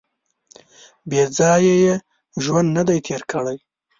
• بېځایه یې ژوند نهدی تېر کړی.